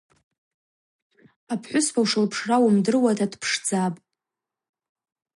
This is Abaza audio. Апхӏвыспа ушылпшра уымдыруата дпшдзапӏ.